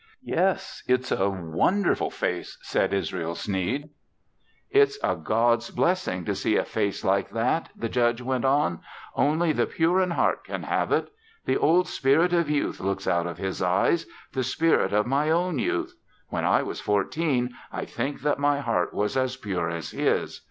"Yes, it's a wonderful face," said Israel Sneed. "It's a God's blessing to see a face like that," the Judge went on. "Only the pure in heart can have it. The old spirit of youth looks out of his eyes the spirit of my own youth. When I was fourteen, I think that my heart was as pure as his.